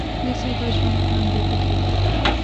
د ساده ژوند خوند بې فکري ده.